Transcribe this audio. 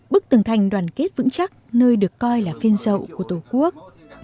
bức tường thành đoàn kết vững chắc nơi được coi là phên dậu của tổ quốc